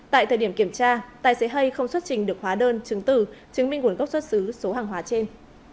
tại thời điểm kiểm tra tài xế hay không xuất trình được hóa đơn chứng tử chứng minh nguồn gốc xuất xứ số hàng hóa trên